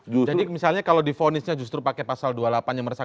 jadi misalnya kalau di fonisnya justru pakai pasal dua puluh delapan yang meresahkan